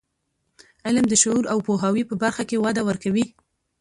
علم د شعور او پوهاوي په برخه کې وده ورکوي.